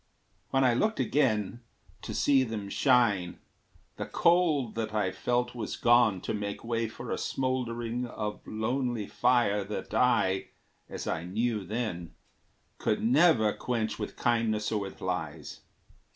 When I looked again, To see them shine, the cold that I had felt Was gone to make way for a smouldering Of lonely fire that I, as I knew then, Could never quench with kindness or with lies.